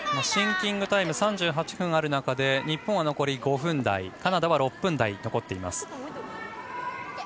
シンキングタイム３８秒ある中で日本は残り５分台カナダは６分台残っています。